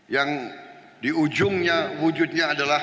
yang di ujungnya wujudnya adalah